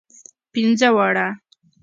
پنځه واړه.